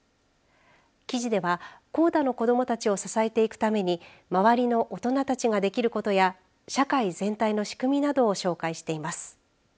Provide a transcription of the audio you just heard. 記事ではＣＯＤＡの子どもたちを支えていくために周りの大人たちができることや社会全体の仕組みなどを紹介しています。